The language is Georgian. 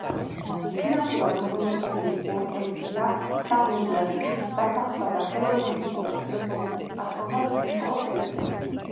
ფინანსურად უზრუნველყოფილი ორტენზია სავოიაში დასახლდა და ხელოვნებისა და ფილოსოფიის პატრონაჟს მიჰყო ხელი.